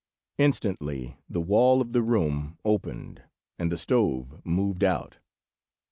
Instantly the wall of the room opened, and the stove moved out.